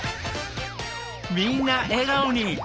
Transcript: みんな笑顔に！